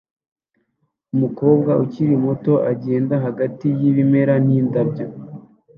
Umukobwa ukiri muto agenda hagati y'ibimera n'indabyo